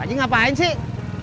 tadi ngapain sih